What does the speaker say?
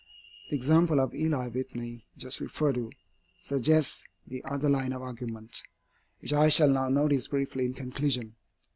The example of Eli Whitney, just referred to, suggests the other line of argument, which I shall now notice briefly in conclusion.